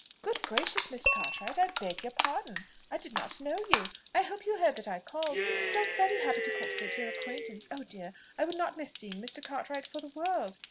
"Good gracious! Miss Cartwright I beg your pardon, I did not know you. I hope you heard that I called; so very happy to cultivate your acquaintance! Oh dear! I would not miss seeing Mr. Cartwright for the world!